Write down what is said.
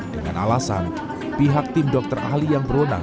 dengan alasan pihak tim dokter ahli yang berwenang